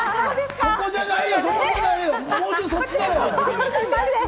そこじゃないよ！